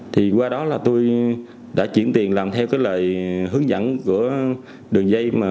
thì qua đó là tôi đã chuyển tiền làm theo cái lời hướng dẫn của đường dây